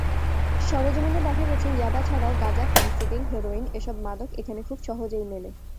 সরেজমিনে দেখা গেছে, ইয়াবা ছাড়াও গাঁজা, ফেনসিডিল, হেরোইন—এসব মাদক এখানে খুব সহজেই মেলে।